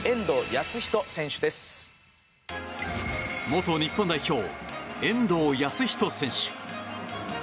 元日本代表、遠藤保仁選手。